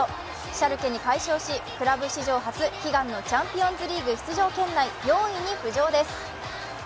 シャルケに快勝し、クラブ史上初、悲願のチャンピオンズリーグ出場圏内４位に浮上です。